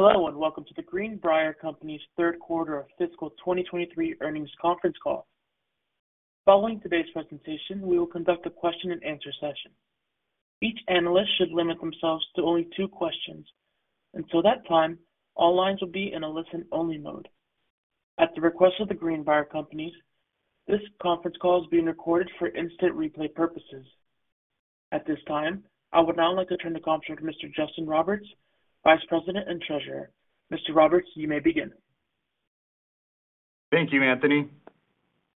Hello, and welcome to The Greenbrier Companies' 3rd quarter of fiscal 2023 earnings conference call. Following today's presentation, we will conduct a question-and-answer session. Each analyst should limit themselves to only two questions. Until that time, all lines will be in a listen-only mode. At the request of The Greenbrier Companies, this conference call is being recorded for instant replay purposes. At this time, I would now like to turn the conference to Mr. Justin Roberts, Vice President and Treasurer. Mr. Roberts, you may begin. Thank you, Anthony.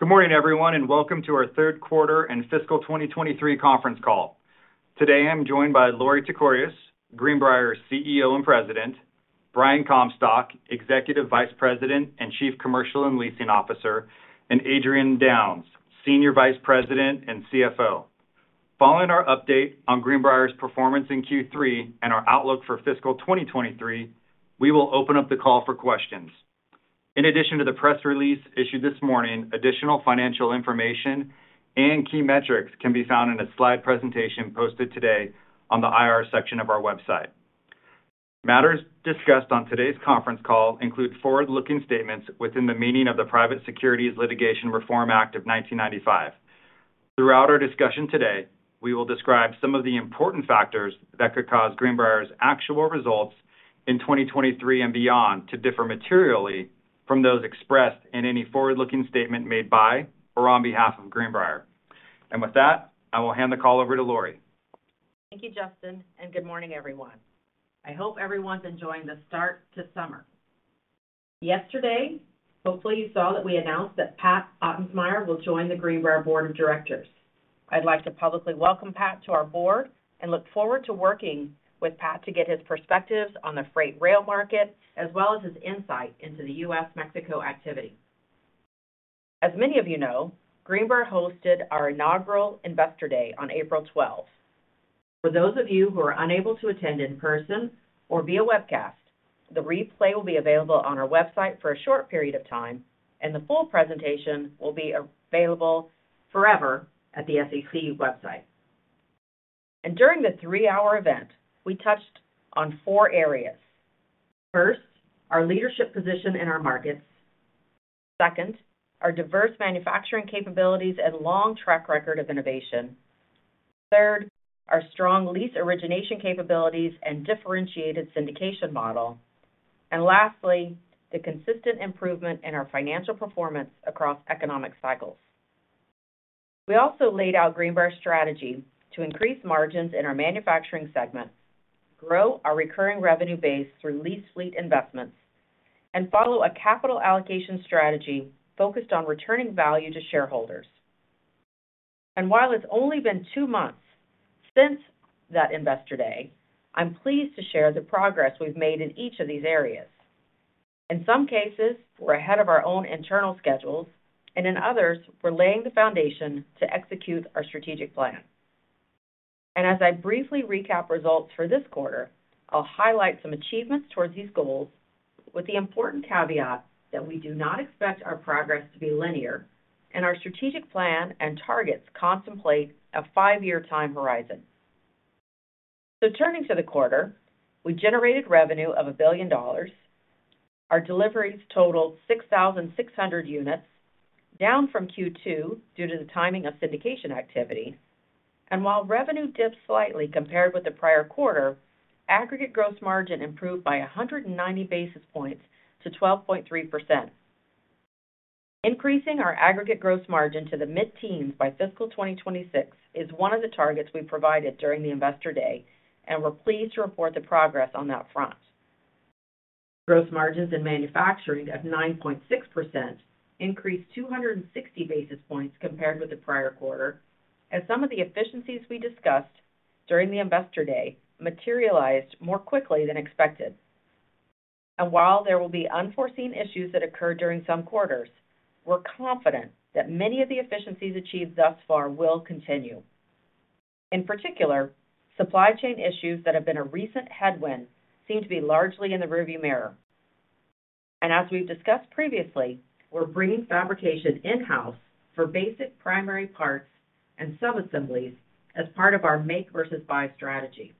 Good morning, everyone, welcome to our third quarter and fiscal 2023 conference call. Today, I'm joined by Lorie Tekorius, Greenbrier's CEO and President, Brian Comstock, Executive Vice President and Chief Commercial and Leasing Officer, and Adrian Downes, Senior Vice President and CFO. Following our update on Greenbrier's performance in Q3 and our outlook for fiscal 2023, we will open up the call for questions. In addition to the press release issued this morning, additional financial information and key metrics can be found in a slide presentation posted today on the IR section of our website. Matters discussed on today's conference call include forward-looking statements within the meaning of the Private Securities Litigation Reform Act of 1995. Throughout our discussion today, we will describe some of the important factors that could cause Greenbrier's actual results in 2023 and beyond to differ materially from those expressed in any forward-looking statement made by or on behalf of Greenbrier. With that, I will hand the call over to Lorie. Thank you, Justin, Good morning, everyone. I hope everyone's enjoying the start to summer. Yesterday, hopefully, you saw that we announced that Pat Ottensmeyer will join the Greenbrier board of directors. I'd like to publicly welcome Pat to our board and look forward to working with Pat to get his perspectives on the freight rail market, as well as his insight into the US-Mexico activity. As many of you know, Greenbrier hosted our inaugural Investor Day on April 12th. For those of you who are unable to attend in person or via webcast, the replay will be available on our website for a short period of time, The full presentation will be available forever at the SEC website. During the 3-hour event, we touched on four areas. First, our leadership position in our markets. Second, our diverse manufacturing capabilities and long track record of innovation. Third, our strong lease origination capabilities and differentiated syndication model. Lastly, the consistent improvement in our financial performance across economic cycles. We also laid out Greenbrier's strategy to increase margins in our manufacturing segment, grow our recurring revenue base through lease fleet investments, and follow a capital allocation strategy focused on returning value to shareholders. While it's only been two months since that Investor Day, I'm pleased to share the progress we've made in each of these areas. In some cases, we're ahead of our own internal schedules, and in others, we're laying the foundation to execute our strategic plan. As I briefly recap results for this quarter, I'll highlight some achievements towards these goals with the important caveat that we do not expect our progress to be linear, and our strategic plan and targets contemplate a five-year time horizon. Turning to the quarter, we generated revenue of $1 billion. Our deliveries totaled 6,600 units, down from Q2 due to the timing of syndication activity. While revenue dipped slightly compared with the prior quarter, aggregate gross margin improved by 190 basis points to 12.3%. Increasing our aggregate gross margin to the mid-teens by fiscal 2026 is one of the targets we provided during the Investor Day, and we're pleased to report the progress on that front. Gross margins in manufacturing of 9.6% increased 260 basis points compared with the prior quarter, as some of the efficiencies we discussed during the Investor Day materialized more quickly than expected. While there will be unforeseen issues that occur during some quarters, we're confident that many of the efficiencies achieved thus far will continue. In particular, supply chain issues that have been a recent headwind seem to be largely in the rearview mirror. As we've discussed previously, we're bringing fabrication in-house for basic primary parts and subassemblies as part of our make versus buy strategy.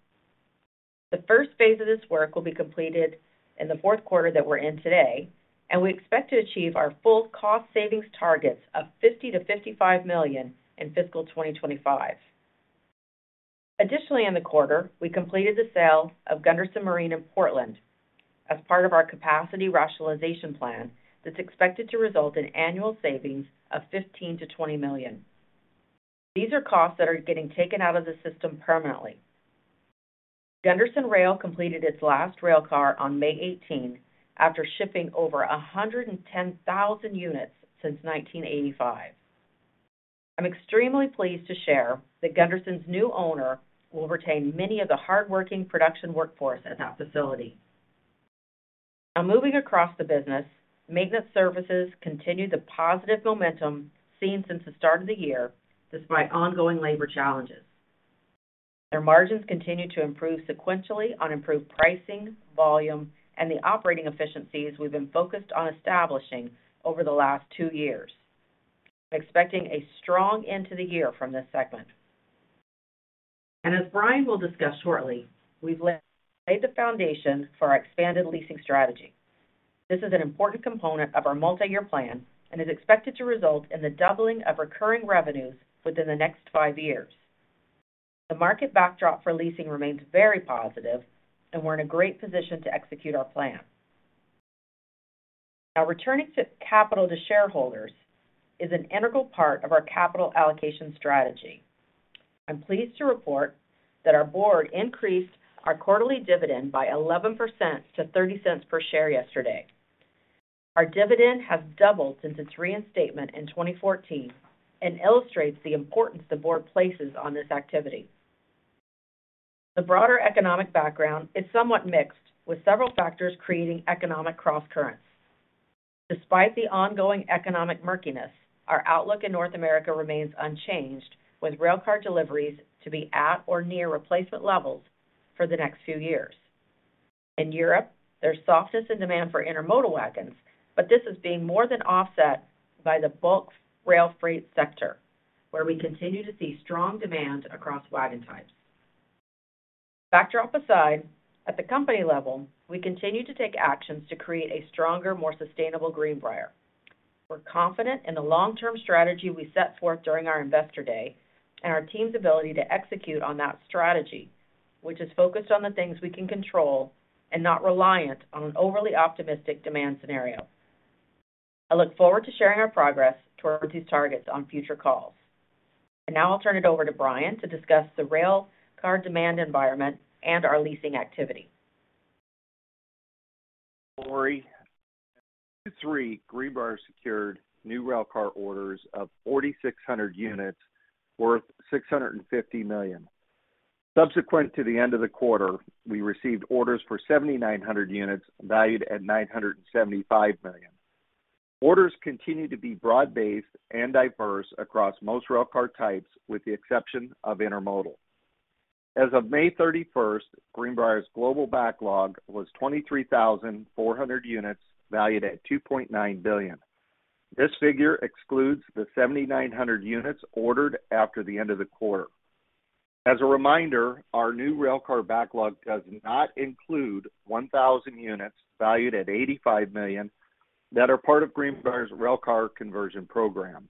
The first phase of this work will be completed in the fourth quarter that we're in today, and we expect to achieve our full cost savings targets of $50 million-$55 million in fiscal 2025. Additionally, in the quarter, we completed the sale of Gunderson Marine in Portland as part of our capacity rationalization plan that's expected to result in annual savings of $15 million-$20 million. These are costs that are getting taken out of the system permanently. Gunderson Rail completed its last railcar on May 18th, after shipping over 110,000 units since 1985. I'm extremely pleased to share that Gunderson's new owner will retain many of the hardworking production workforce at that facility. Moving across the business, maintenance services continue the positive momentum seen since the start of the year, despite ongoing labor challenges. Their margins continue to improve sequentially on improved pricing, volume, and the operating efficiencies we've been focused on establishing over the last two years. Expecting a strong end to the year from this segment. As Brian will discuss shortly, we've laid the foundation for our expanded leasing strategy. This is an important component of our multi-year plan and is expected to result in the doubling of recurring revenues within the next five years. The market backdrop for leasing remains very positive, and we're in a great position to execute our plan. Returning to capital to shareholders is an integral part of our capital allocation strategy. I'm pleased to report that our board increased our quarterly dividend by 11% to $0.30 per share yesterday. Our dividend has doubled since its reinstatement in 2014 and illustrates the importance the board places on this activity. The broader economic background is somewhat mixed, with several factors creating economic crosscurrents. Despite the ongoing economic murkiness, our outlook in North America remains unchanged, with railcar deliveries to be at or near replacement levels for the next few years. In Europe, there's softness in demand for intermodal wagons. This is being more than offset by the bulk rail freight sector, where we continue to see strong demand across wagon types. Backdrop aside, at the company level, we continue to take actions to create a stronger, more sustainable Greenbrier. We're confident in the long-term strategy we set forth during our Investor Day and our team's ability to execute on that strategy, which is focused on the things we can control and not reliant on an overly optimistic demand scenario. I look forward to sharing our progress towards these targets on future calls. Now I'll turn it over to Brian to discuss the railcar demand environment and our leasing activity. Lorie. Q3, Greenbrier secured new railcar orders of 4,600 units worth $650 million. Subsequent to the end of the quarter, we received orders for 7,900 units valued at $975 million. Orders continue to be broad-based and diverse across most railcar types, with the exception of intermodal. As of May 31st, Greenbrier's global backlog was 23,400 units, valued at $2.9 billion. This figure excludes the 7,900 units ordered after the end of the quarter. As a reminder, our new railcar backlog does not include 1,000 units valued at $85 million that are part of Greenbrier's railcar conversion program.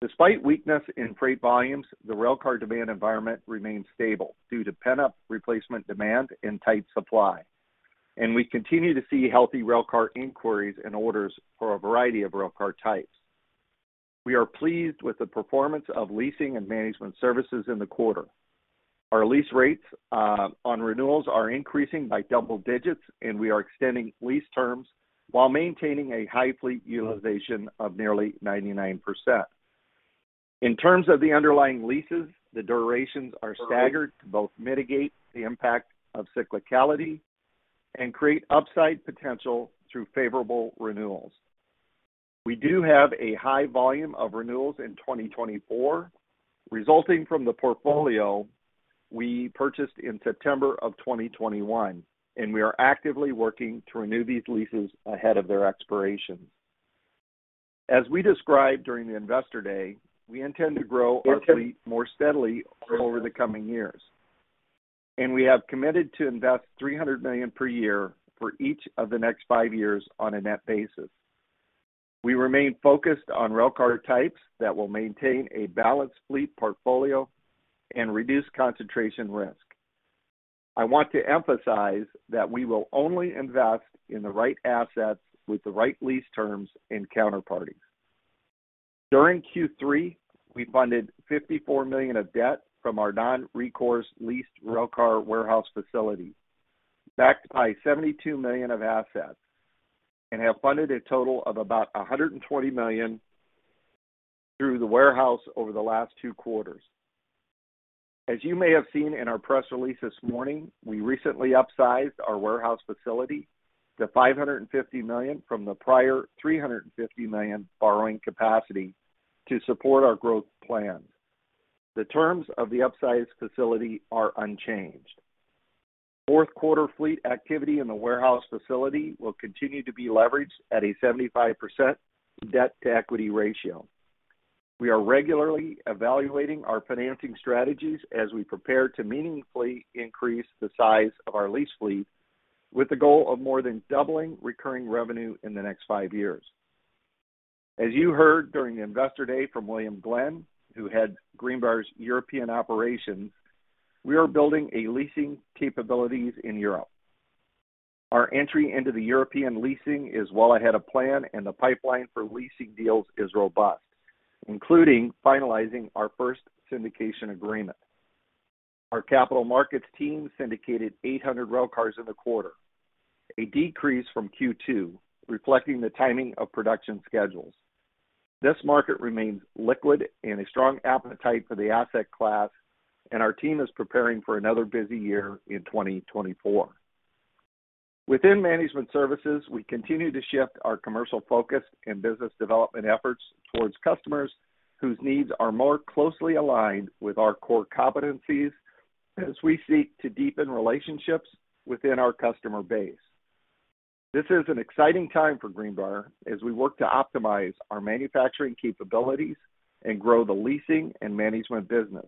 Despite weakness in freight volumes, the railcar demand environment remains stable due to pent-up replacement demand and tight supply, and we continue to see healthy railcar inquiries and orders for a variety of railcar types. We are pleased with the performance of leasing and management services in the quarter. Our lease rates on renewals are increasing by double digits, and we are extending lease terms while maintaining a high fleet utilization of nearly 99%. In terms of the underlying leases, the durations are staggered to both mitigate the impact of cyclicality and create upside potential through favorable renewals. We do have a high volume of renewals in 2024, resulting from the portfolio we purchased in September of 2021, and we are actively working to renew these leases ahead of their expiration. As we described during the Investor Day, we intend to grow our fleet more steadily over the coming years, and we have committed to invest $300 million per year for each of the next 5 years on a net basis. We remain focused on railcar types that will maintain a balanced fleet portfolio and reduce concentration risk. I want to emphasize that we will only invest in the right assets with the right lease terms and counterparties. During Q3, we funded $54 million of debt from our non-recourse leased railcar warehouse facility, backed by $72 million of assets, and have funded a total of about $120 million through the warehouse over the last two quarters. As you may have seen in our press release this morning, we recently upsized our warehouse facility to $550 million from the prior $350 million borrowing capacity to support our growth plans. The terms of the upsized facility are unchanged. Fourth quarter fleet activity in the warehouse facility will continue to be leveraged at a 75% debt-to-equity ratio. We are regularly evaluating our financing strategies as we prepare to meaningfully increase the size of our lease fleet, with the goal of more than doubling recurring revenue in the next 5 years. As you heard during the Investor Day from William Glenn, who heads Greenbrier's European operations, we are building a leasing capabilities in Europe. Our entry into the European leasing is well ahead of plan, and the pipeline for leasing deals is robust, including finalizing our first syndication agreement. Our capital markets team syndicated 800 railcars in the quarter, a decrease from Q2, reflecting the timing of production schedules. This market remains liquid and a strong appetite for the asset class, and our team is preparing for another busy year in 2024. Within management services, we continue to shift our commercial focus and business development efforts towards customers whose needs are more closely aligned with our core competencies as we seek to deepen relationships within our customer base. This is an exciting time for Greenbrier as we work to optimize our manufacturing capabilities and grow the leasing and management business.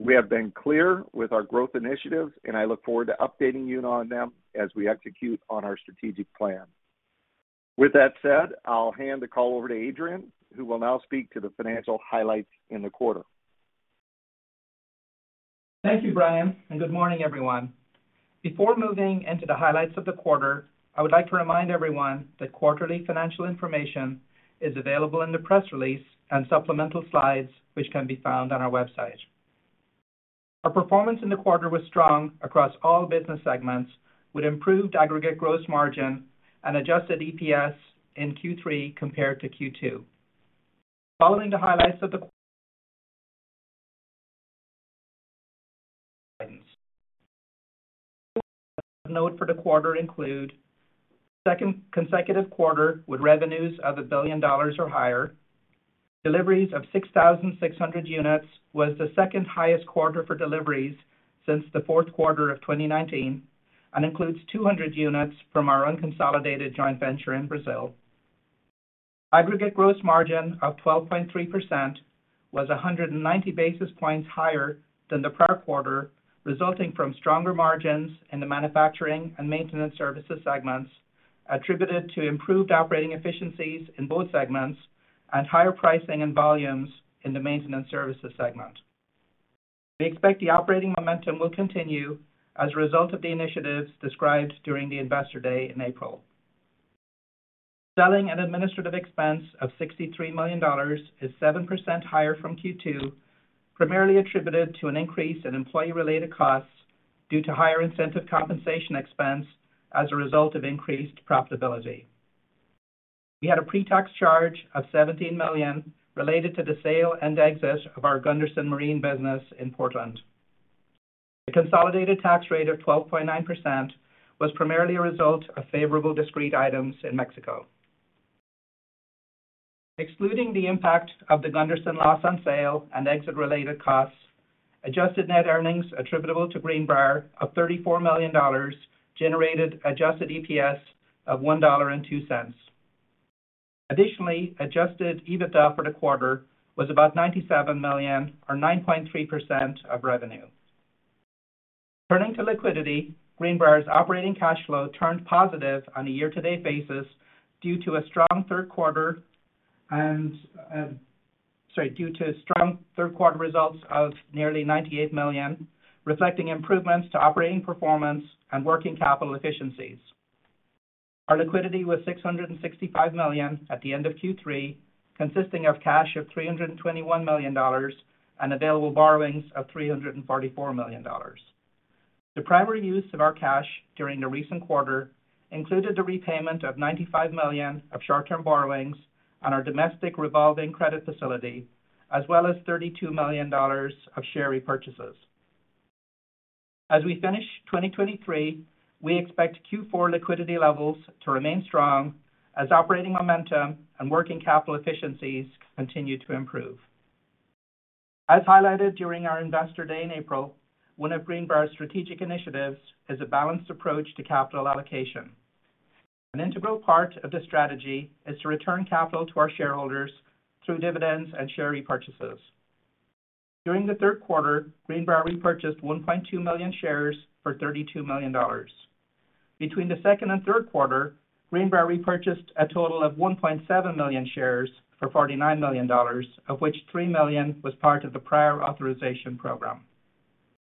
We have been clear with our growth initiatives. I look forward to updating you on them as we execute on our strategic plan. With that said, I'll hand the call over to Adrian, who will now speak to the financial highlights in the quarter. Thank you, Brian. Good morning, everyone. Before moving into the highlights of the quarter, I would like to remind everyone that quarterly financial information is available in the press release and supplemental slides, which can be found on our website. Our performance in the quarter was strong across all business segments, with improved aggregate gross margin and adjusted EPS in Q3 compared to Q2. Following the highlights of note for the quarter include second consecutive quarter with revenues of $1 billion or higher. Deliveries of 6,600 units was the second highest quarter for deliveries since the fourth quarter of 2019. Includes 200 units from our unconsolidated joint venture in Brazil. Aggregate gross margin of 12.3% was 190 basis points higher than the prior quarter, resulting from stronger margins in the manufacturing and maintenance services segments, attributed to improved operating efficiencies in both segments and higher pricing and volumes in the maintenance services segment. We expect the operating momentum will continue as a result of the initiatives described during the Investor Day in April. Selling and administrative expense of $63 million is 7% higher from Q2, primarily attributed to an increase in employee-related costs due to higher incentive compensation expense as a result of increased profitability. We had a pretax charge of $17 million related to the sale and exit of our Gunderson Marine business in Portland. The consolidated tax rate of 12.9% was primarily a result of favorable discrete items in Mexico. Excluding the impact of the Gunderson loss on sale and exit-related costs, adjusted net earnings attributable to Greenbrier of $34 million generated adjusted EPS of $1.02. Additionally, adjusted EBITDA for the quarter was about $97 million or 9.3% of revenue. Turning to liquidity, Greenbrier's operating cash flow turned positive on a year-to-date basis due to strong third quarter results of nearly $98 million, reflecting improvements to operating performance and working capital efficiencies. Our liquidity was $665 million at the end of Q3, consisting of cash of $321 million and available borrowings of $344 million. The primary use of our cash during the recent quarter included the repayment of $95 million of short-term borrowings on our domestic revolving credit facility, as well as $32 million of share repurchases. As we finish 2023, we expect Q4 liquidity levels to remain strong as operating momentum and working capital efficiencies continue to improve. As highlighted during our Investor Day in April, one of Greenbrier's strategic initiatives is a balanced approach to capital allocation. An integral part of this strategy is to return capital to our shareholders through dividends and share repurchases. During the third quarter, Greenbrier repurchased 1.2 million shares for $32 million. Between the second and third quarter, Greenbrier repurchased a total of 1.7 million shares for $49 million, of which $3 million was part of the prior authorization program.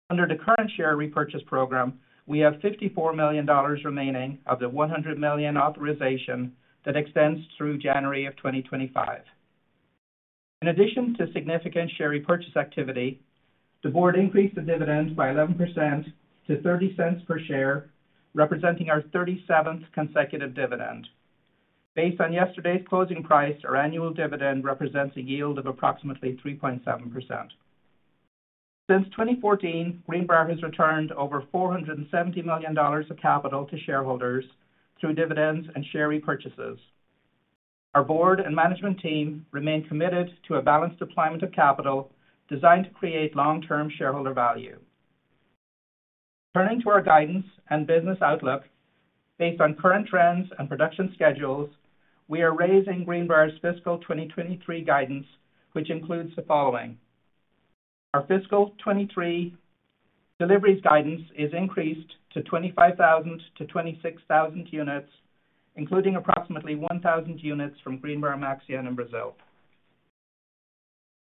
Under the current share repurchase program, we have $54 million remaining of the $100 million authorization that extends through January 2025. In addition to significant share repurchase activity, the board increased the dividend by 11% to $0.30 per share, representing our 37th consecutive dividend. Based on yesterday's closing price, our annual dividend represents a yield of approximately 3.7%. Since 2014, Greenbrier has returned over $470 million of capital to shareholders through dividends and share repurchases. Our board and management team remain committed to a balanced deployment of capital designed to create long-term shareholder value. Turning to our guidance and business outlook. Based on current trends and production schedules, we are raising Greenbrier's fiscal 2023 guidance, which includes the following: Our fiscal 23 deliveries guidance is increased to 25,000-26,000 units, including approximately 1,000 units from Greenbrier-Maxion in Brazil.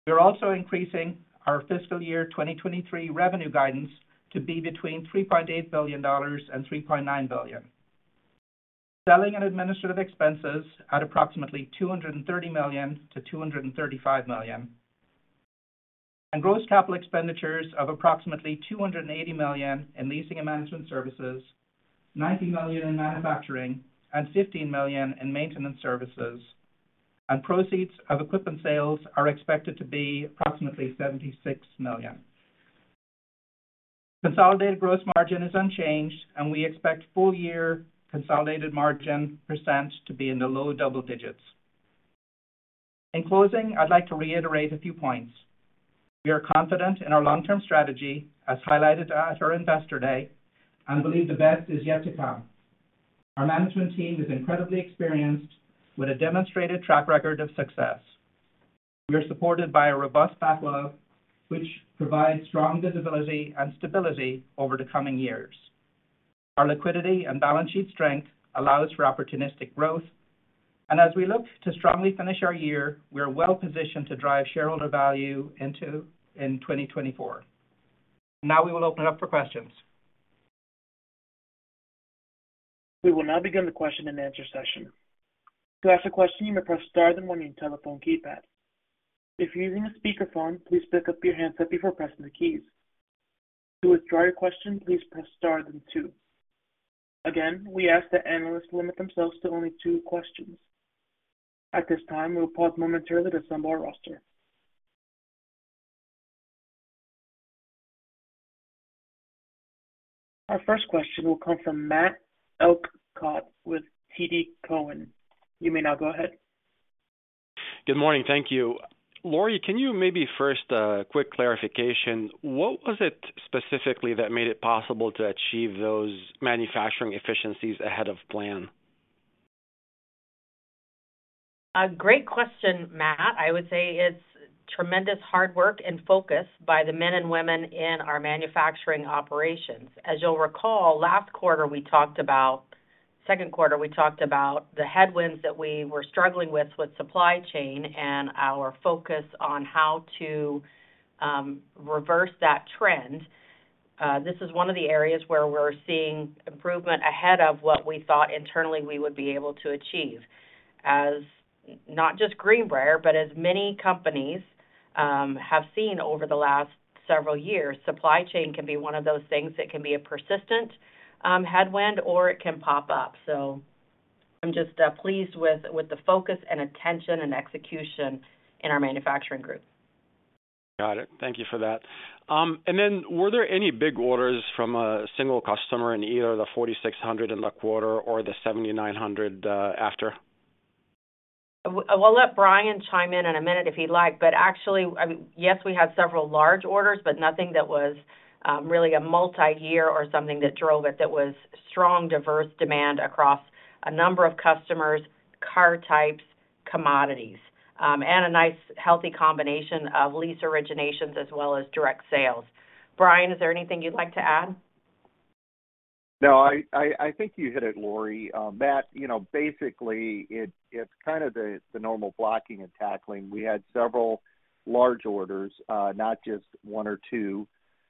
We are also increasing our fiscal year 2023 revenue guidance to be between $3.8 billion and $3.9 billion. Selling and administrative expenses at approximately $230 million-$235 million, and gross capital expenditures of approximately $280 million in leasing and management services, $90 million in manufacturing, and $15 million in maintenance services, and proceeds of equipment sales are expected to be approximately $76 million. Consolidated gross margin is unchanged, and we expect full-year consolidated margin % to be in the low double digits. In closing, I'd like to reiterate a few points. We are confident in our long-term strategy, as highlighted at our Investor Day, and believe the best is yet to come. Our management team is incredibly experienced, with a demonstrated track record of success. We are supported by a robust backlog, which provides strong visibility and stability over the coming years. Our liquidity and balance sheet strength allows for opportunistic growth, and as we look to strongly finish our year, we are well positioned to drive shareholder value into in 2024. Now we will open up for questions. We will now begin the question-and-answer session. To ask a question, you may press star then one on your telephone keypad. If you're using a speakerphone, please pick up your handset before pressing the keys. To withdraw your question, please press star then two. Again, we ask that analysts limit themselves to only 2 questions. At this time, we'll pause momentarily to assemble our roster. Our first question will come from Matt Elkott with TD Cowen. You may now go ahead. Good morning. Thank you. Lorie, can you maybe first, quick clarification, what was it specifically that made it possible to achieve those manufacturing efficiencies ahead of plan? A great question, Matt. I would say it's tremendous hard work and focus by the men and women in our manufacturing operations. As you'll recall, last quarter, second quarter, we talked about the headwinds that we were struggling with supply chain and our focus on how to reverse that trend. This is one of the areas where we're seeing improvement ahead of what we thought internally we would be able to achieve. As not just Greenbrier, but as many companies have seen over the last several years, supply chain can be one of those things that can be a persistent headwind, or it can pop up. I'm just pleased with the focus and attention and execution in our manufacturing group. Got it. Thank you for that. Were there any big orders from a single customer in either the 4,600 in the quarter or the 7,900 after? I will let Brian chime in in a minute if he'd like, but actually, I mean, yes, we have several large orders, but nothing that was really a multi-year or something that drove it. That was strong, diverse demand across a number of customers, car types, commodities, and a nice, healthy combination of lease originations as well as direct sales. Brian, is there anything you'd like to add? No, I think you hit it, Lorie. Matt, you know, basically, it's kind of the normal blocking and tackling. We had several large orders, not just 1 or 2,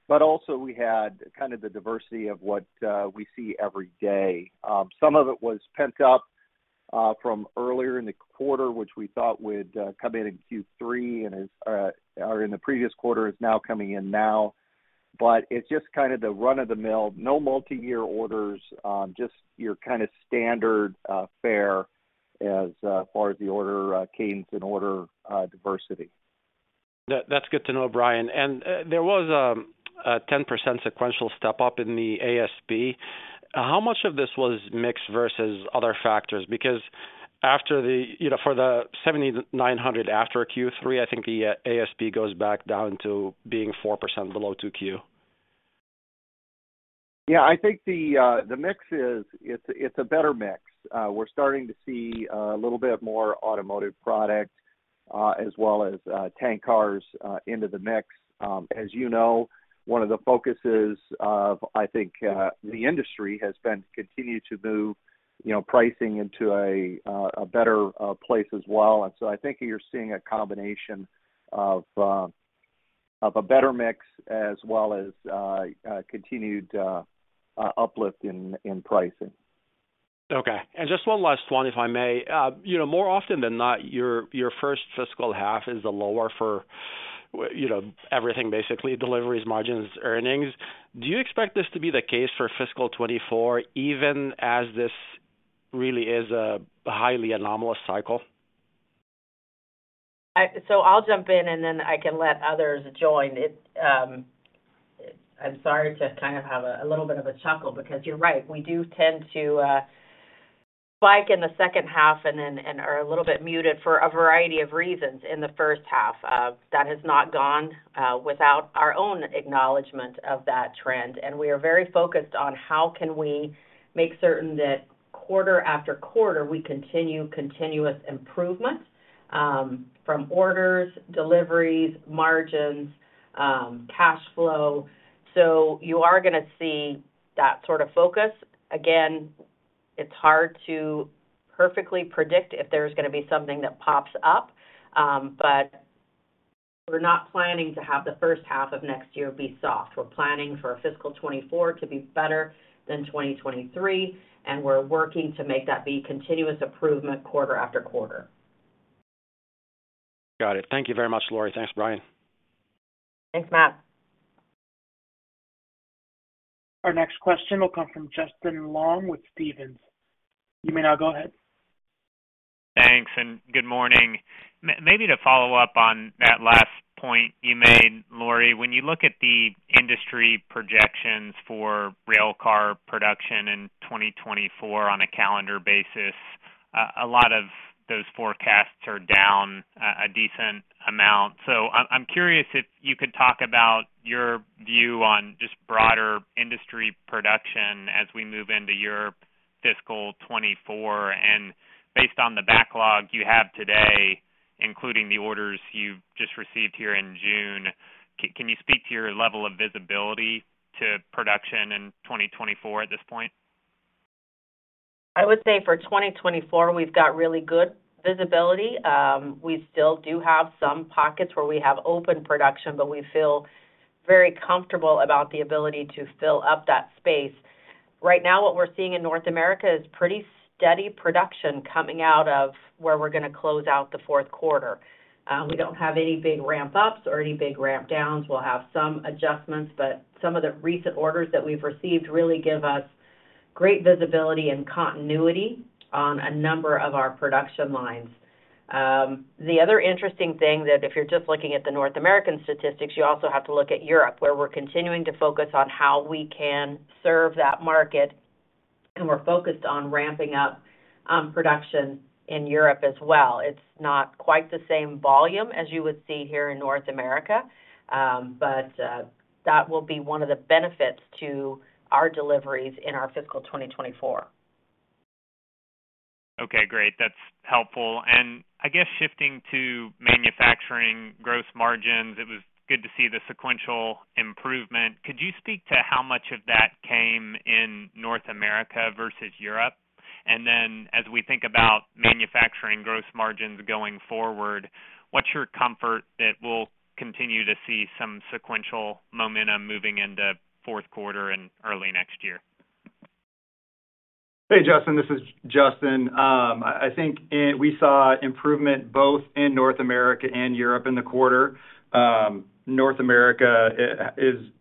but also, we had kind of the diversity of what we see every day. Some of it was pent up from earlier in the quarter, which we thought would come in in Q3 and is or in the previous quarter, is now coming in now. It's just kind of the run-of-the-mill, no multi-year orders, just your kind of standard fare as far as the order cadence and order diversity. That's good to know, Brian. There was a 10% sequential step-up in the ASP. How much of this was mixed versus other factors? Because after the, you know, for the 7,900 after Q3, I think the ASP goes back down to being 4% below 2 Q. Yeah, I think the mix is a better mix. We're starting to see a little bit more automotive product as well as tank cars into the mix. As you know, one of the focuses of, I think, the industry has been to continue to move, you know, pricing into a better place as well. I think you're seeing a combination of a better mix as well as continued uplift in pricing. Okay. Just one last one, if I may. You know, more often than not, your first fiscal half is the lower for, you know, everything, basically, deliveries, margins, earnings. Do you expect this to be the case for fiscal 24, even as this really is a highly anomalous cycle? I'll jump in, and then I can let others join. It, I'm sorry to kind of have a little bit of a chuckle because you're right. We do tend to spike in the second half and then, and are a little bit muted for a variety of reasons in the first half. That has not gone without our own acknowledgment of that trend, and we are very focused on how can we make certain that quarter after quarter, we continue continuous improvement from orders, deliveries, margins, cash flow. You are going to see that sort of focus. Again, it's hard to perfectly predict if there's going be something that pops up, but we're not planning to have the first half of next year be soft. We're planning for fiscal 2024 to be better than 2023, and we're working to make that be continuous improvement quarter after quarter. Got it. Thank you very much, Lorie. Thanks, Brian. Thanks, Matt. Our next question will come from Justin Long with Stephens. You may now go ahead. Thanks, and good morning. maybe to follow up on that.... point you made, Lorie, when you look at the industry projections for railcar production in 2024 on a calendar basis, a lot of those forecasts are down a decent amount. I'm curious if you could talk about your view on just broader industry production as we move into your fiscal 2024, and based on the backlog you have today, including the orders you've just received here in June, can you speak to your level of visibility to production in 2024 at this point? I would say for 2024, we've got really good visibility. We still do have some pockets where we have open production, but we feel very comfortable about the ability to fill up that space. Right now, what we're seeing in North America is pretty steady production coming out of where we're going to close out the fourth quarter. We don't have any big ramp-ups or any big ramp-downs. We'll have some adjustments, but some of the recent orders that we've received really give us great visibility and continuity on a number of our production lines. The other interesting thing that if you're just looking at the North American statistics, you also have to look at Europe, where we're continuing to focus on how we can serve that market, and we're focused on ramping up production in Europe as well. It's not quite the same volume as you would see here in North America, but that will be one of the benefits to our deliveries in our fiscal 2024. Okay, great. That's helpful. I guess shifting to manufacturing gross margins, it was good to see the sequential improvement. Could you speak to how much of that came in North America versus Europe? As we think about manufacturing gross margins going forward, what's your comfort that we'll continue to see some sequential momentum moving into fourth quarter and early next year? Hey, Justin, this is Justin. I think we saw improvement both in North America and Europe in the quarter. North America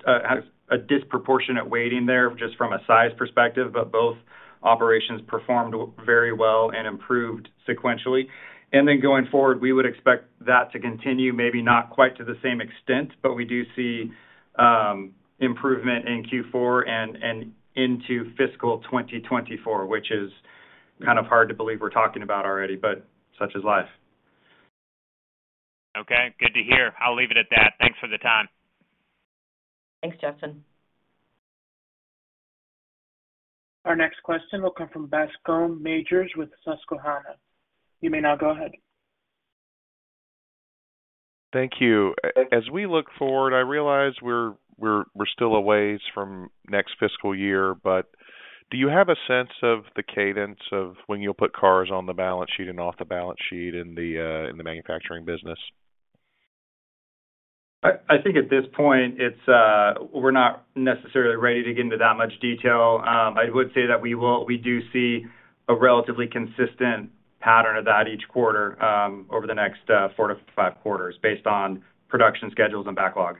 has a disproportionate weighting there, just from a size perspective, but both operations performed very well and improved sequentially. Going forward, we would expect that to continue, maybe not quite to the same extent, but we do see improvement in Q4 and into fiscal 2024, which is kind of hard to believe we're talking about already, but such is life. Okay, good to hear. I'll leave it at that. Thanks for the time. Thanks, Justin. Our next question will come from Bascome Majors with Susquehanna. You may now go ahead. Thank you. As we look forward, I realize we're still a way from next fiscal year, but do you have a sense of the cadence of when you'll put cars on the balance sheet and off the balance sheet in the manufacturing business? I think at this point, it's, we're not necessarily ready to get into that much detail. I would say that we do see a relatively consistent pattern of that each quarter, over the next 4 to 5 quarters, based on production schedules and backlog.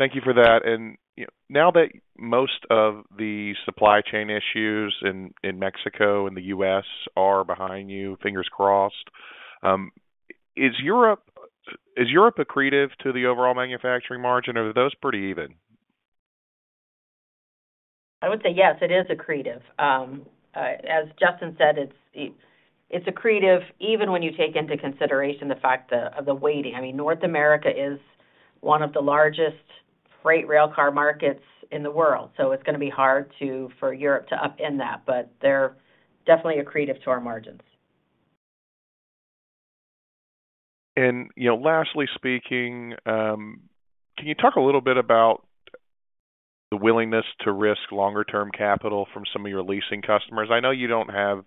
Thank you for that. You know, now that most of the supply chain issues in Mexico and the US are behind you, fingers crossed, is Europe accretive to the overall manufacturing margin, or are those pretty even? I would say yes, it is accretive. As Justin said, it's accretive even when you take into consideration the fact of the weighting. I mean, North America is one of the largest freight railcar markets in the world, so it's going to be hard for Europe to upend that, but they're definitely accretive to our margins. You know, lastly speaking, can you talk a little bit about the willingness to risk longer-term capital from some of your leasing customers? I know you don't have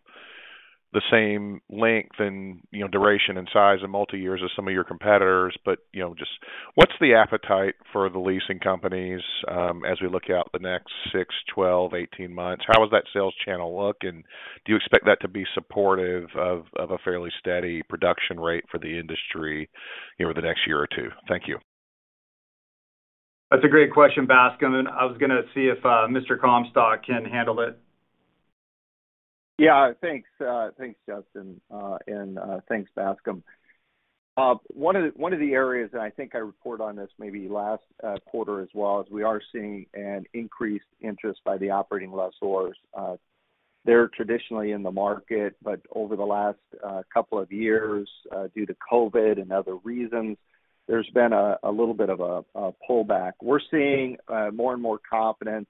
the same length and, you know, duration and size and multi-years as some of your competitors, but, you know, just what's the appetite for the leasing companies, as we look out the next 6, 12, 18 months? How does that sales channel look, and do you expect that to be supportive of a fairly steady production rate for the industry, you know, over the next year or two? Thank you. That's a great question, Bascome, and I was going to see if Mr. Comstock can handle it. Yeah. Thanks, thanks, Justin. Thanks, Bascom. One of the, one of the areas, and I think I reported on this maybe last quarter as well, is we are seeing an increased interest by the operating lessors. They're traditionally in the market, but over the last couple of years, due to COVID and other reasons, there's been a little bit of a pullback. We're seeing more and more confidence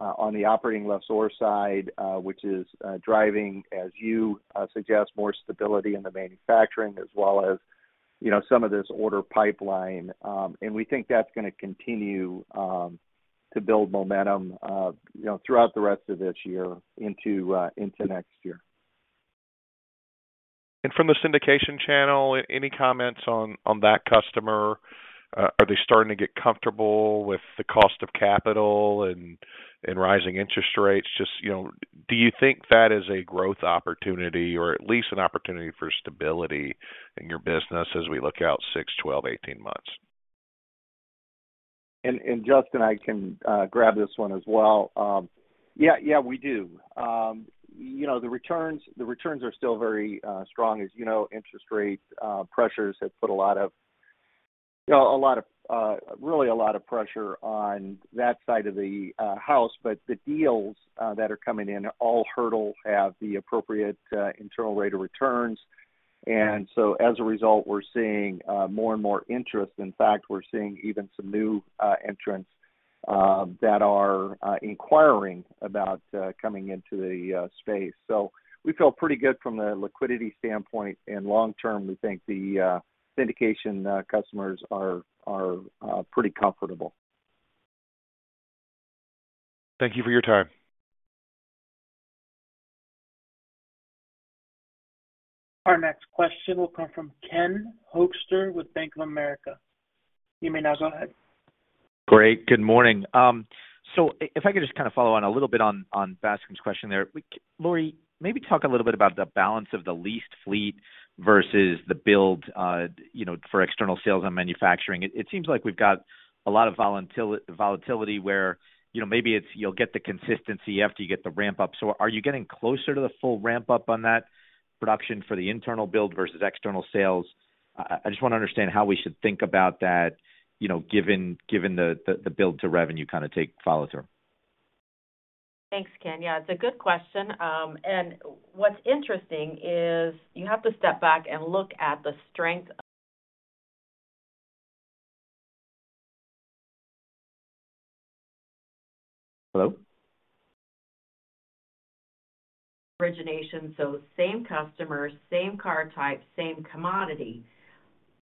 on the operating lessor side, which is driving, as you suggest, more stability in the manufacturing as well as, you know, some of this order pipeline. We think that's going to continue to build momentum, you know, throughout the rest of this year into next year. From the syndication channel, any comments on that customer? Are they starting to get comfortable with the cost of capital and rising interest rates? Just, you know, do you think that is a growth opportunity or at least an opportunity for stability in your business as we look out 6, 12, 18 months? Justin, I can grab this one as well. Yeah, we do. You know, the returns are still very strong. As you know, interest rates pressures have put a lot of, you know, a lot of, really a lot of pressure on that side of the house. The deals that are coming in all hurdles have the appropriate internal rate of returns. As a result, we're seeing more and more interest. In fact, we're seeing even some new entrants that are inquiring about coming into the space. We feel pretty good from the liquidity standpoint. Long term, we think the syndication customers are pretty comfortable. Thank you for your time. Our next question will come from Ken Hoexter with Bank of America. You may now go ahead. Great. Good morning. If I could just kind of follow on a little bit on Bascome's question there. Lorie, maybe talk a little bit about the balance of the leased fleet versus the build, you know, for external sales and manufacturing. It seems like we've got a lot of volatility where, you know, maybe it's you'll get the consistency after you get the ramp up. Are you getting closer to the full ramp up on that production for the internal build versus external sales? I just want to understand how we should think about that, you know, given the build to revenue kind of take follow through. Thanks, Ken. Yeah, it's a good question. What's interesting is you have to step back and look at the strength of- Hello? Origination. Same customer, same car type, same commodity.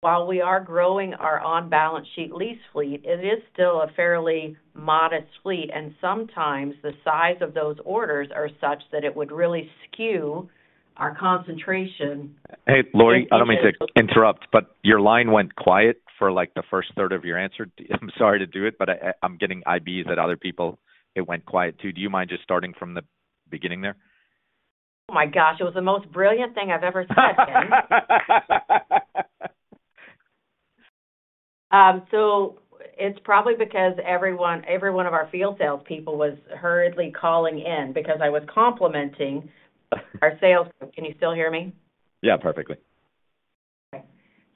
While we are growing our on-balance sheet lease fleet, it is still a fairly modest fleet, and sometimes the size of those orders are such that it would really skew our concentration. Hey, Lori, I don't mean to interrupt, your line went quiet for, like, the first third of your answer. I'm sorry to do it, I'm getting IB that other people, it went quiet, too. Do you mind just starting from the beginning there? Oh, my gosh, it was the most brilliant thing I've ever said, Ken. It's probably because every one of our field salespeople was hurriedly calling in because I was complimenting our sales. Can you still hear me? Yeah, perfectly.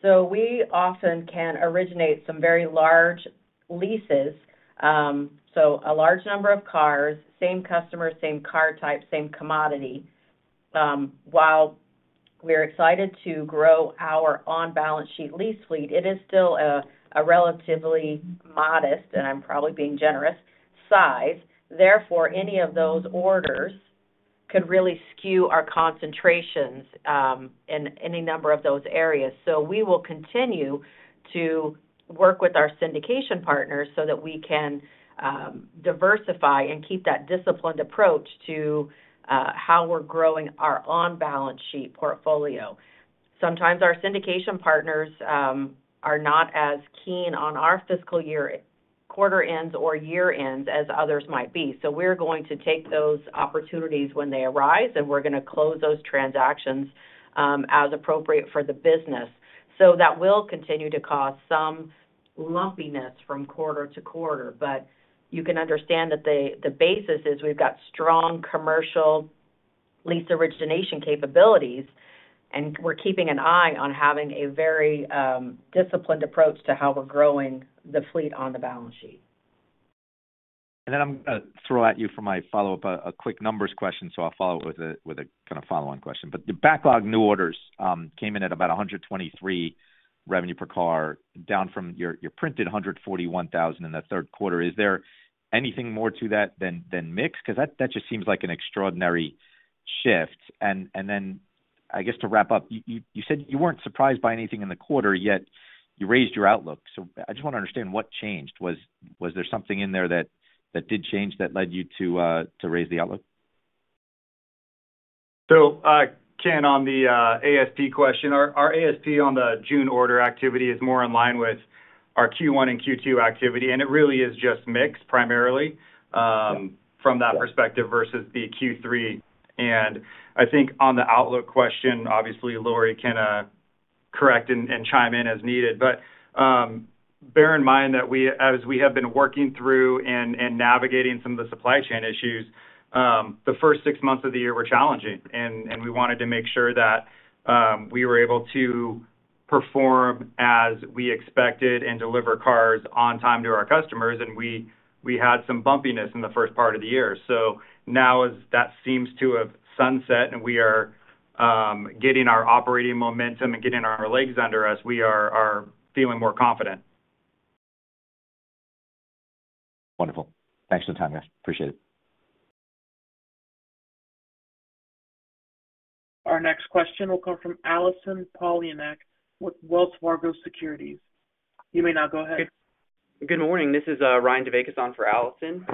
We often can originate some very large leases. A large number of cars, same customer, same car type, same commodity. While we're excited to grow our on-balance sheet lease fleet, it is still a relatively modest, and I'm probably being generous, size. Therefore, any of those orders could really skew our concentrations in any number of those areas. We will continue to work with our syndication partners so that we can diversify and keep that disciplined approach to how we're growing our on-balance sheet portfolio. Sometimes our syndication partners are not as keen on our fiscal year quarter ends or year ends as others might be. We're going to take those opportunities when they arise, and we're going to close those transactions as appropriate for the business. That will continue to cause some lumpiness from quarter to quarter. But you can understand that the basis is we've got strong commercial lease origination capabilities, and we're keeping an eye on having a very disciplined approach to how we're growing the fleet on the balance sheet. I'm going to throw at you for my follow-up, a quick numbers question, so I'll follow up with a kind of follow-on question. The backlog new orders came in at about $123 revenue per car, down from your printed $141,000 in the third quarter. Is there anything more to that than mix? That just seems like an extraordinary shift. Then, I guess, to wrap up, you said you weren't surprised by anything in the quarter, yet you raised your outlook. I just want to understand what changed. Was there something in there that did change, that led you to raise the outlook? Ken, on the ASP question, our ASP on the June order activity is more in line with our Q1 and Q2 activity, and it really is just mix primarily from that perspective versus the Q3. I think on the outlook question, obviously, Lori can correct and chime in as needed. Bear in mind that as we have been working through and navigating some of the supply chain issues, the first six months of the year were challenging, and we wanted to make sure that we were able to perform as we expected and deliver cars on time to our customers. We had some bumpiness in the first part of the year. Now as that seems to have sunset, and we are getting our operating momentum and getting our legs under us, we are feeling more confident. Wonderful. Thanks for the time, guys. Appreciate it. Our next question will come from Allison Poliniak with Wells Fargo Securities. You may now go ahead. Good morning. This is Ryan Deveikis on for Allison.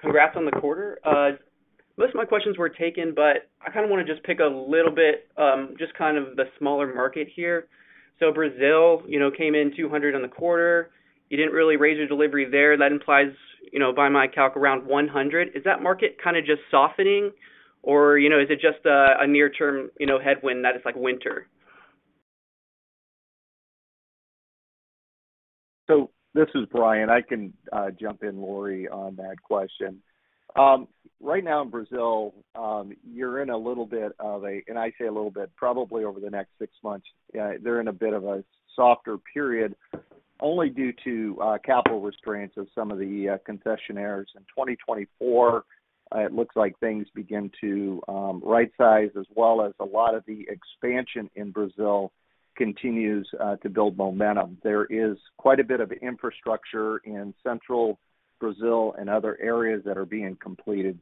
Congrats on the quarter. Most of my questions were taken, but I kind of want to just pick a little bit, just kind of the smaller market here. Brazil, you know, came in 200 in the quarter. You didn't really raise your delivery there. That implies, you know, by my calc, around 100. Is that market kind of just softening or, you know, is it just a near-term, you know, headwind that it's like winter? This is Brian. I can jump in, Lorie, on that question. Right now in Brazil, you're in a little bit of a-- and I say a little bit, probably over the next six months, they're in a bit of a softer period, only due to capital restraints of some of the concessionaires. In 2024, it looks like things begin to rightsize, as well as a lot of the expansion in Brazil continues to build momentum. There is quite a bit of infrastructure in central Brazil and other areas that are being completed.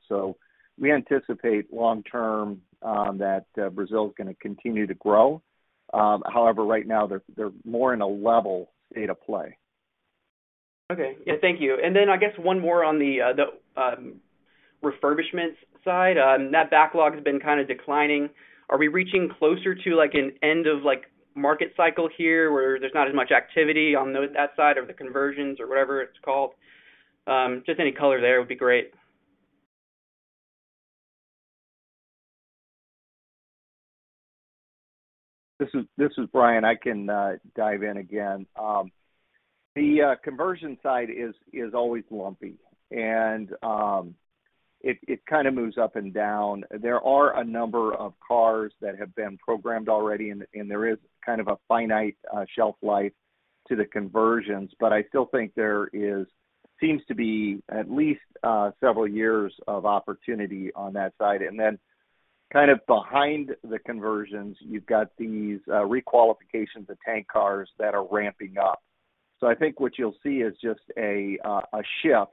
We anticipate long term, that Brazil is going to continue to grow. Right now, they're more in a level state of play. Okay. Yeah, thank you. I guess one more on the refurbishment side. That backlog has been kind of declining. Are we reaching closer to, like, an end of, like, market cycle here, where there's not as much activity on that side of the conversions or whatever it's called? Just any color there would be great. This is Brian. I can dive in again. The conversion side is always lumpy, and it kind of moves up and down. There are a number of cars that have been programmed already, and there is kind of a finite shelf life to the conversions. I still think there seems to be at least several years of opportunity on that side. Then kind of behind the conversions, you've got these requalifications of tank cars that are ramping up. I think what you'll see is just a shift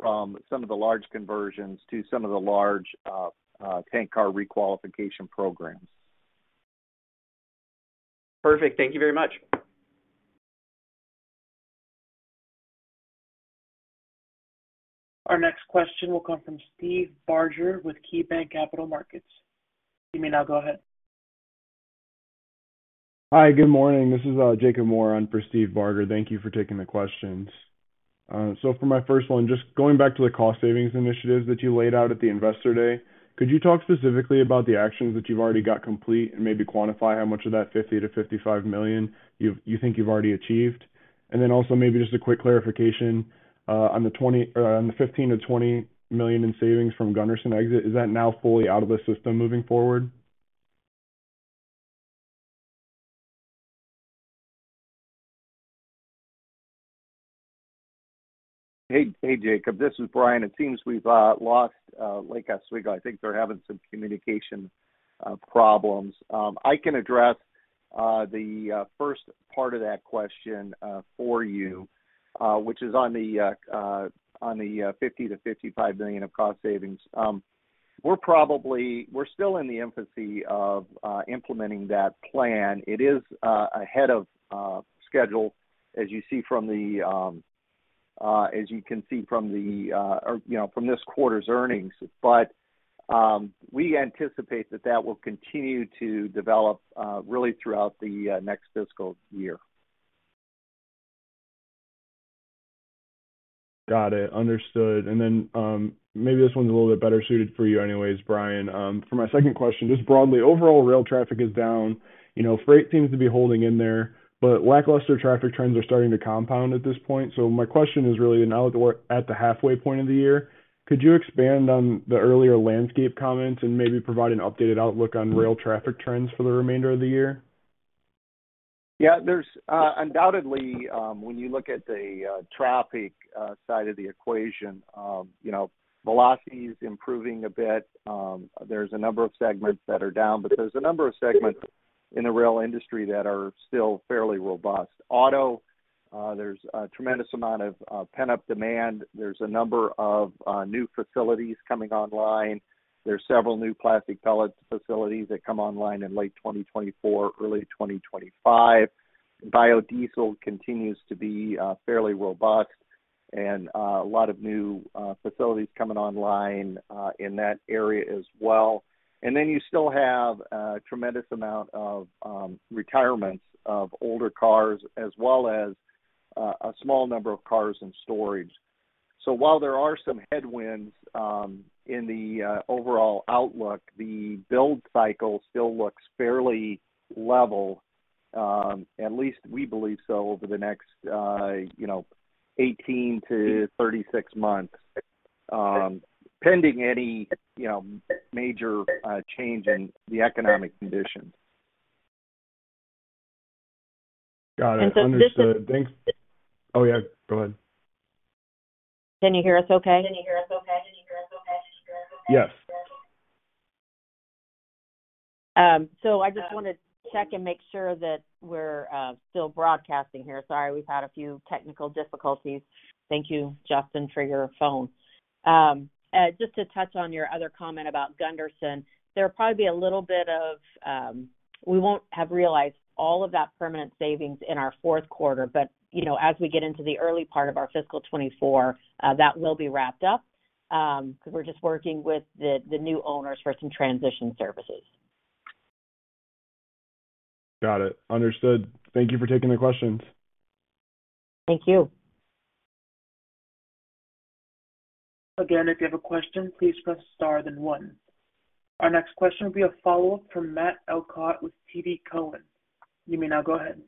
from some of the large conversions to some of the large tank car requalification programs. Perfect. Thank you very much. Our next question will come from Steve Barger with KeyBanc Capital Markets. You may now go ahead. Hi, good morning. This is Jacob Moore in for Steve Barger. Thank you for taking the questions. For my first one, just going back to the cost savings initiatives that you laid out at the Investor Day, could you talk specifically about the actions that you've already got complete and maybe quantify how much of that $50 million-$55 million you've, you think you've already achieved? Also, maybe just a quick clarification, or on the $15 million-$20 million in savings from Gunderson exit, is that now fully out of the system moving forward? Hey, Jacob, this is Brian. It seems we've lost Lake Oswego. I think they're having some communication problems. I can address the first part of that question for you, which is on the $50 million-$55 million of cost savings. We're still in the infancy of implementing that plan. It is ahead of schedule, as you see from the, as you can see from the, or, you know, from this quarter's earnings. We anticipate that that will continue to develop really throughout the next fiscal year. Got it. Understood. Then, maybe this one's a little bit better suited for you anyways, Brian. For my second question, just broadly, overall, rail traffic is down. You know, freight seems to be holding in there, but lackluster traffic trends are starting to compound at this point. My question is really, now that we're at the halfway point of the year, could you expand on the earlier landscape comments and maybe provide an updated outlook on rail traffic trends for the remainder of the year? Yeah, there's undoubtedly, when you look at the traffic side of the equation, you know, velocity is improving a bit. There's a number of segments that are down. There's a number of segments in the rail industry that are still fairly robust. Auto, there's a tremendous amount of pent-up demand. There's a number of new facilities coming online. There's several new plastic pellet facilities that come online in late 2024, early 2025. Biodiesel continues to be fairly robust and a lot of new facilities coming online in that area as well. You still have a tremendous amount of retirements of older cars, as well as a small number of cars in storage. While there are some headwinds, in the overall outlook, the build cycle still looks fairly level, at least we believe so, over the next, you know, 18 to 36 months, pending any, you know, major change in the economic conditions. Got it. Understood. And so this is- Thanks. Oh, yeah, go ahead. Can you hear us okay? Can you hear us okay? Can you hear us okay? Yes. I just want to check and make sure that we're still broadcasting here. Sorry, we've had a few technical difficulties. Thank you, Justin, for your phone. Just to touch on your other comment about Gunderson, there will probably be a little bit of. We won't have realized all of that permanent savings in our fourth quarter, but, you know, as we get into the early part of our fiscal 2024, that will be wrapped up, because we're just working with the new owners for some transition services. Got it. Understood. Thank you for taking the questions. Thank you. Again, if you have a question, please press star, then 1. Our next question will be a follow-up from Matt Elkott with TD Cowen. You may now go ahead.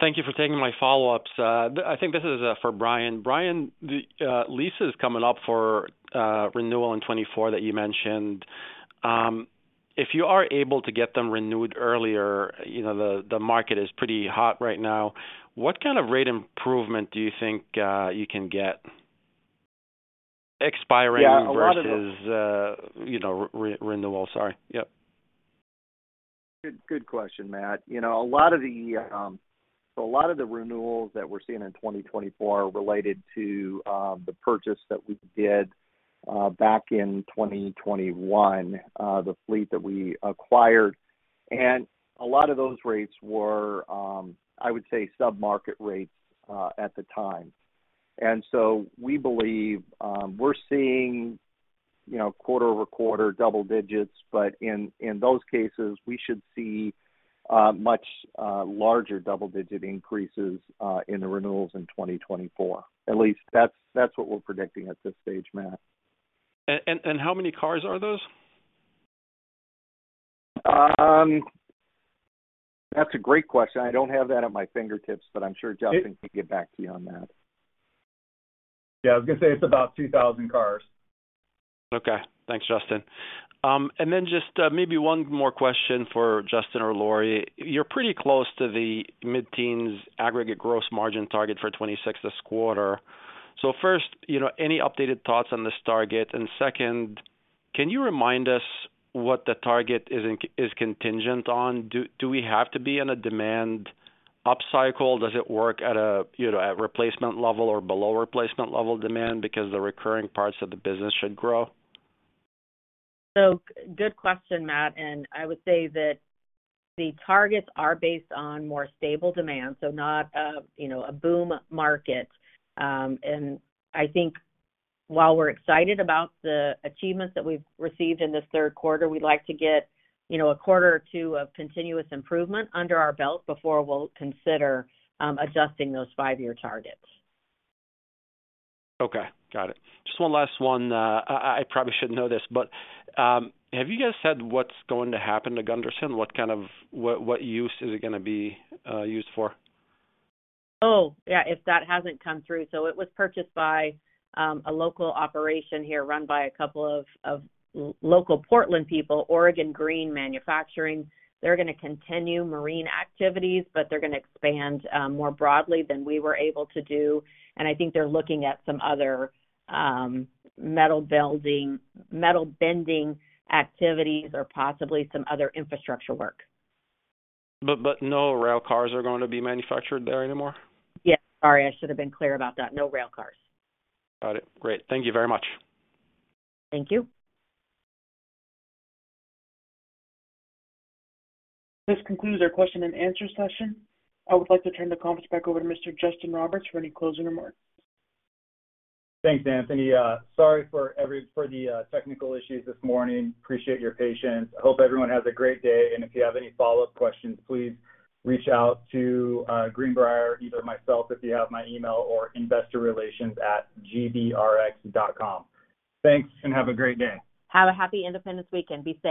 Thank you for taking my follow-ups. I think this is for Brian. Brian, the lease is coming up for renewal in 2024 that you mentioned. If you are able to get them renewed earlier, you know, the market is pretty hot right now, what kind of rate improvement do you think you can get? Yeah, a lot of- versus, you know, renewal. Sorry. Yep. Good question, Matt. You know, a lot of the renewals that we're seeing in 2024 are related to the purchase that we did back in 2021, the fleet that we acquired. A lot of those rates were, I would say, sub-market rates at the time. We believe we're seeing, you know, quarter-over-quarter double digits, but in those cases, we should see much larger double-digit increases in the renewals in 2024. At least that's what we're predicting at this stage, Matt. How many cars are those? That's a great question. I don't have that at my fingertips. I'm sure Justin can get back to you on that. Yeah, I was gonna say it's about 2,000 cars. Okay. Thanks, Justin. Then just, maybe one more question for Justin or Lorie. You're pretty close to the mid-teens aggregate gross margin target for 2026 this quarter. First, you know, any updated thoughts on this target? Second, can you remind us what the target is contingent on? Do we have to be in a demand upcycle? Does it work at a, you know, at replacement level or below replacement level demand because the recurring parts of the business should grow? Good question, Matt, and I would say that the targets are based on more stable demand, so not, you know, a boom market. I think while we're excited about the achievements that we've received in this third quarter, we'd like to get, you know, a quarter or two of continuous improvement under our belt before we'll consider adjusting those five-year targets. Okay, got it. Just one last one. I probably should know this, but, have you guys said what's going to happen to Gunderson? What, what use is it gonna be, used for? If that hasn't come through. It was purchased by a local operation here, run by a couple of local Portland people, Oregon Green Manufacturing. They're gonna continue marine activities, but they're gonna expand more broadly than we were able to do. I think they're looking at some other metal building, metal bending activities or possibly some other infrastructure work. No rail cars are going to be manufactured there anymore? Yes, sorry, I should have been clear about that. No rail cars. Got it. Great. Thank you very much. Thank you. This concludes our question and answer session. I would like to turn the conference back over to Mr. Justin Roberts for any closing remarks. Thanks, Anthony. Sorry for the technical issues this morning. Appreciate your patience. I hope everyone has a great day, and if you have any follow-up questions, please reach out to Greenbrier, either myself, if you have my email or investorrelations@gbrx.com. Thanks, and have a great day. Have a happy Independence weekend. Be safe.